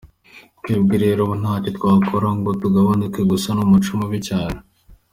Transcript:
Twebwe rero ubu ntacyo twakora ngo tubagarure, gusa ni umuco mubi cyane”.